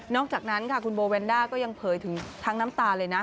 อกจากนั้นค่ะคุณโบแวนด้าก็ยังเผยถึงทั้งน้ำตาเลยนะ